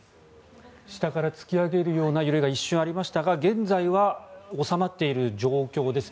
下から突き上げるような揺れが一瞬ありましたが現在は収まっている状況です。